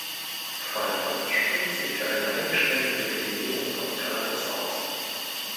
Pfeiffer spricht sich für eine eingeschränkte Legalisierung von Cannabis aus.